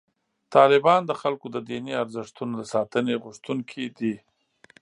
طالبان د خلکو د دیني ارزښتونو د ساتنې غوښتونکي دي.